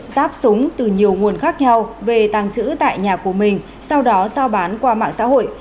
ráp súng từ nhiều nguồn khác nhau về tàng trữ tại nhà của mình sau đó giao bán qua mạng xã hội